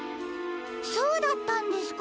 そうだったんですか。